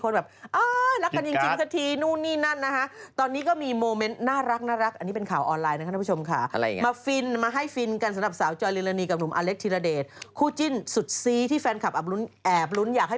ก็จะมีคนแบบอ้าวรักกันจริงคทีนู่นนี่นั่นนะคะ